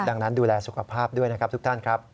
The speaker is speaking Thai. ดังนั้นดูแลสุขภาพด้วยนะครับทุกท่านครับ